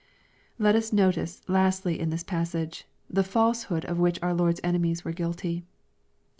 Let us notice, lastly, in this passage, the falsehood of which our Lord's enemies were guilty.